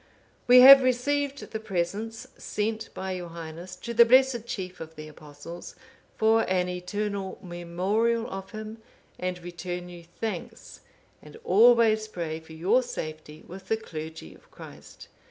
We have received the presents sent by your Highness to the blessed chief of the Apostles, for an eternal memorial of him, and return you thanks, and always pray for your safety with the clergy of Christ.